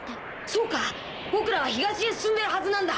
そうか僕らは東へ進んでるはずなんだ。